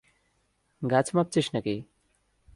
গাছ মাপছিস নাকি?